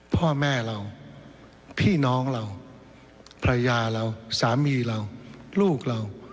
พ่อแม่เราพี่น้องเราภรรยาเราสามีเราลูกเรา